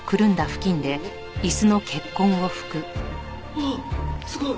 ああっすごい！